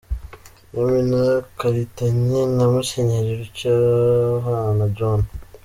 Yamina Karitanyi, na Musenyeri Rucyahana John.